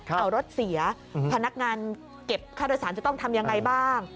เอารถเสียพนักงานเก็บค่าโดยสารจะต้องทำยังไงบ้าง